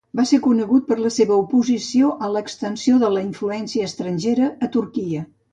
Va ser conegut per la seva oposició a l'extensió de la influència estrangera a Turquia.